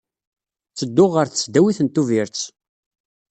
Ttedduɣ ɣer Tesdawit n Tubiret.